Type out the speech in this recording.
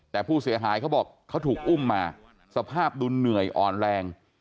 แต่ผู้เสียหายเขาบอกเขาถูกอุ้มมาสภาพดูเหนื่อยอ่อนแรง